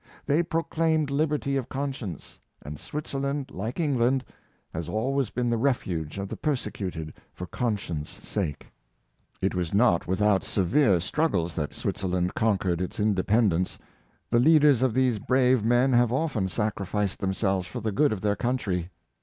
They proclaimed liberty of con science, and Switzerland, like England, has always been the refuge of the persecuted for conscience' sake. It was not without severe struggles that Switzerland conquered its independence The leaders of these brave men have often sacrificed themselves for the good of their countr}'.